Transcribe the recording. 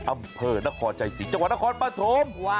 อำเภอนครใจสิทธิจักรนครป่าโทษ